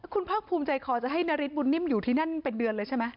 คุณภาคภูมิใจคอจะให้นาริสบุญนิ่มอยู่ที่นั่นเป็นเดือนเลยใช่ไหม